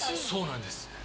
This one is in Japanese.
そうなんです。